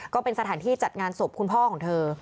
ก็เป็นสถานที่จัดงานศพคุณพ่อของเธอ